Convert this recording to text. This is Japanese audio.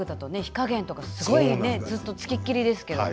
火加減とかすごいねずっとつきっきりですけど。